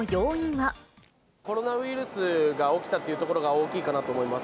コロナウイルスが起きたというところが大きいかなと思います。